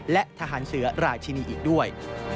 และทหารเสือราชินีอีกด้วย